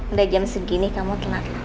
udah jam segini kamu kena